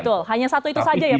betul hanya satu itu saja ya